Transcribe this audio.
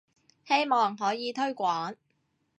希望可以推廣